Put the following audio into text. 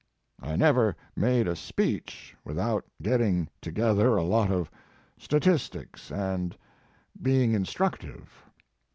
I never made a speech without getting together a lot of statistics and be ing instructive.